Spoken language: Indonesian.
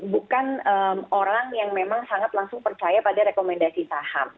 bukan orang yang memang sangat langsung percaya pada rekomendasi saham